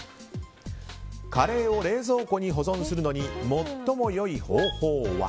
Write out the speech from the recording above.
カレーを冷蔵庫に保存するのに最も良い方法は。